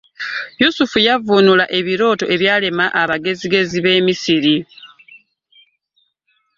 Yusuufu yavvunul a ebirooto ebyalema abgaezigezi b,emisiri .